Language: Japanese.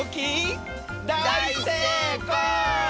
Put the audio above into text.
だい・せい・こう！